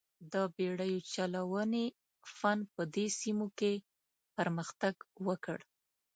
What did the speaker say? د بېړیو چلونې فن په دې سیمو کې پرمختګ وکړ.